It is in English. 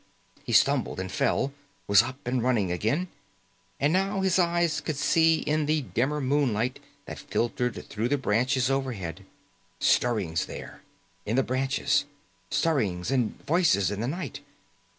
He stumbled and fell, was up and running again. And now his eyes could see in the dimmer moonlight that filtered through the branches overhead. Stirrings there, in the branches. Stirrings and voices in the night.